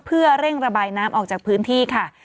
เพื่อเร่งระบายน้ำออกจากพื้นที่ค่ะ